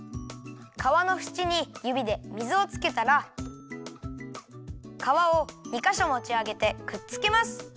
かわのふちにゆびで水をつけたらかわを２かしょもちあげてくっつけます！